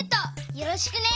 よろしくね！